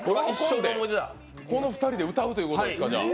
この２人で歌うということですか。